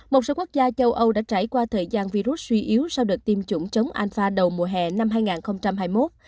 một số quốc gia châu âu đã trải qua thời gian virus suy yếu sau đợt tiêm chủng chống alpha đầu mùa hè năm hai nghìn hai mươi một